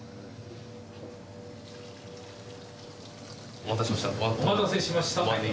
お待たせしました。